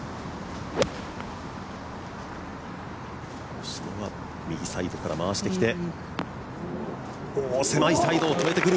星野は右サイドから回してきて狭いサイドを越えてくる。